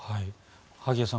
萩谷さん